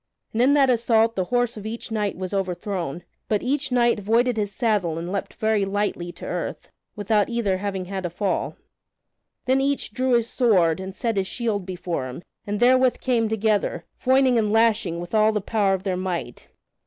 And in that assault the horse of each knight was overthrown, but each knight voided his saddle and leaped very lightly to earth, without either having had a fall. Then each drew his sword and set his shield before him, and therewith came together, foining and lashing with all the power of their might.